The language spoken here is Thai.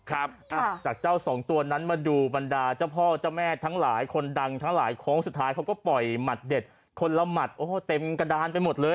จากเจ้าสองตัวนั้นมาดูบรรดาเจ้าพ่อเจ้าแม่ทั้งหลายคนดังทั้งหลายโค้งสุดท้ายเขาก็ปล่อยหมัดเด็ดคนละหมัดโอ้โหเต็มกระดานไปหมดเลย